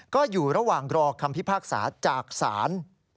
ก็อยู่ระหว่างรอคำพิพากษาจากศาล